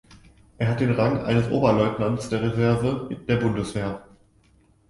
Er hat den Rang eines Oberstleutnants der Reserve der Bundeswehr.